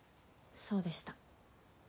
そうでした。